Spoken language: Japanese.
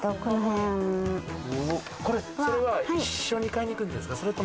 それは一緒に買いに行くんですか？